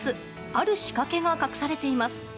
ある仕掛けが隠されています。